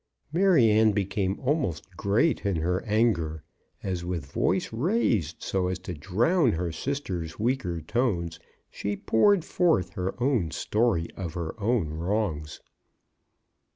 Maryanne became almost great in her anger, as with voice raised so as to drown her sister's weaker tones, she poured forth her own story of her own wrongs.